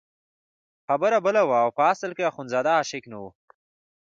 خبره بله وه او په اصل کې اخندزاده عاشق نه وو.